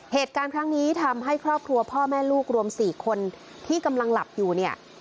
เหตุการณ์ครั้งนี้ทำให้ครอบครัวพ่อแม่ลูกรวม๔คนที่กำลังหลับอยู่เนี่ย